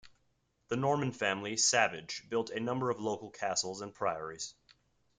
The Norman family Savage built a number of local castles and priories.